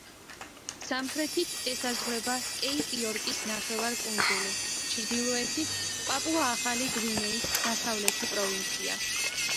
სამხრეთით ესაზღვრება კეიპ-იორკის ნახევარკუნძული, ჩრდილოეთით პაპუა-ახალი გვინეის დასავლეთი პროვინცია.